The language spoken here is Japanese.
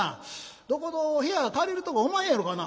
どこぞ部屋借りるとこおまへんやろかな」。